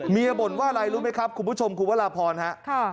มีอบนว่าอะไรรู้มั้ยครับคุณผู้ชมคุณวัตราพรภรฮะ